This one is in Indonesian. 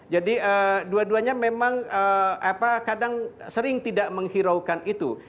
jadi dua duanya memang kadang sering tidak menghiraukan itu